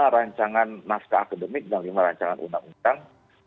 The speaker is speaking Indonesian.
lima rancangan maska akademik dan lima rancangan undang undang